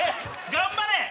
頑張れ！